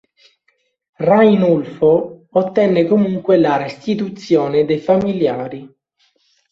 Rainulfo ottenne comunque la restituzione dei familiari.